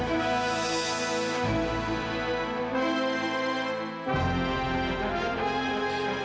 tidak tidak tidak